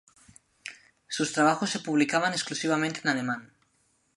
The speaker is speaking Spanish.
Sus trabajos se publicaban exclusivamente en alemán.